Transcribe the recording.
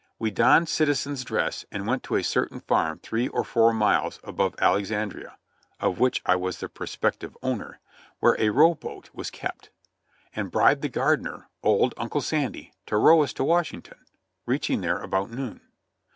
We donned citizen's dress and went to a certain farm three or four miles above Alex andria (of which I was the prospective owner), where a row boat was kept, and bribed the gardener, old Uncle Sandy, to row us to Washington, reaching there about noon.